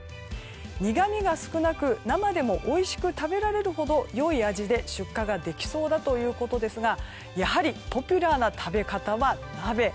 苦みが少なく生でもおいしく食べられる良い味で出荷ができそうだということですがやはりポピュラーな食べ方は鍋。